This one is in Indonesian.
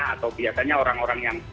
atau biasanya orang orang yang